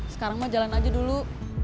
sekarang mah jalan aja dulu